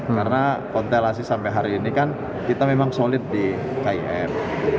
karena kontelasi sampai hari ini kan kita memang solid di kim